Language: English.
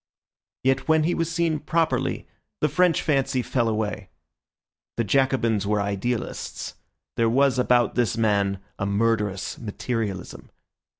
Yet when he was seen properly, the French fancy fell away. The Jacobins were idealists; there was about this man a murderous materialism.